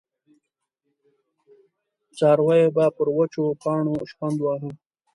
څارويو به پر وچو پاڼو شخوند واهه.